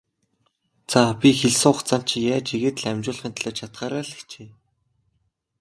За, би хэлсэн хугацаанд чинь яаж ийгээд л амжуулахын төлөө чадахаараа л хичээе.